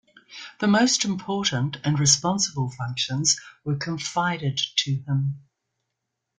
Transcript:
The most important and responsible functions were confided to him.